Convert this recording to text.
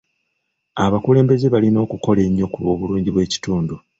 Abakulembeze balina okukola ennyo ku lw'obulungi bw'ekitundu.